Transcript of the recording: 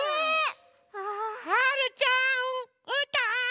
・はるちゃんうーたん！